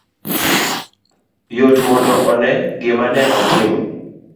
Yot mondo one gima ne otimo